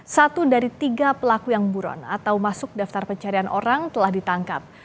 satu dari tiga pelaku yang buron atau masuk daftar pencarian orang telah ditangkap